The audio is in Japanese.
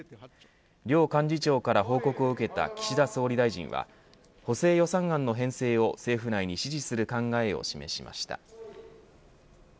両幹事長から報告を受けた岸田総理大臣は補正予算案の編成を政府内に支持する考えを示しました。